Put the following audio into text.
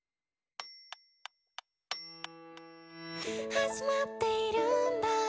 「始まっているんだ